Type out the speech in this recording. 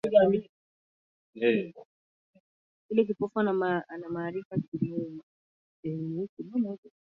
Kipofu yule ana maarifa sana